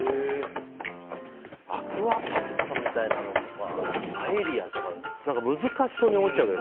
アクアパッツァみたいなのとかパエリアとか難しそうに思っちゃうけど。